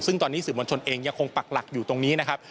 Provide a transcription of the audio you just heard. ซึ่งตอนนี้สื่อมวลชนเองยังคงปักหลักอยู่ตรงนี้นะครับ